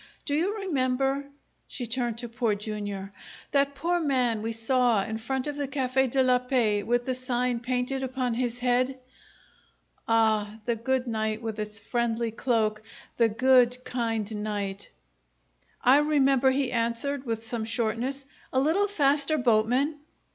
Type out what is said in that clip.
Do you remember" she turned to Poor Jr. "that poor man we saw in front of the Cafe' de la Paix with the sign painted upon his head?" Ah, the good night, with its friendly cloak! The good, kind night! "I remember," he answered, with some shortness. "A little faster, boatman!"